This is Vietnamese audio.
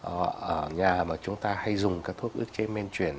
ở nhà mà chúng ta hay dùng các thuốc ức chế men chuyển